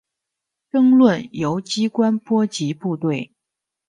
争论由机关波及部队。